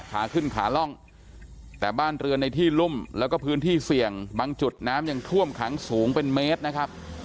ขาขึ้นขาล่องแต่บ้านเรือนในที่รุ่มแล้วก็พื้นที่เสี่ยงบางจุดน้ำยังท่วมขังสูงเป็นเมตรนะครับ